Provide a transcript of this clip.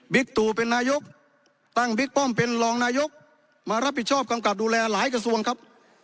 ตู่เป็นนายกตั้งบิ๊กป้อมเป็นรองนายกมารับผิดชอบกำกับดูแลหลายกระทรวงครับ